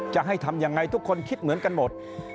จะให้ทำยังไงทุกคนคิดเหมือนกันหมด